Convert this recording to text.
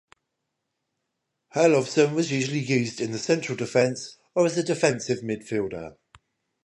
Herlovsen was usually used in the central defence or as a defensive midfielder.